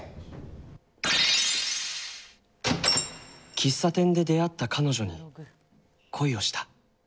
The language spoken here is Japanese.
喫茶店で出会った彼女に恋をした。